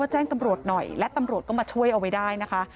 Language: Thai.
แจ้งตำรวจหน่อยและตำรวจก็มาช่วยเอาไว้ได้นะคะ